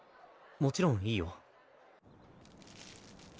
もちろんいいよ。